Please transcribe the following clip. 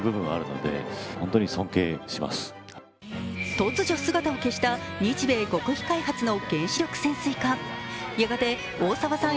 突如姿を消した日米極秘開発の原子力潜水艦やがて大沢さん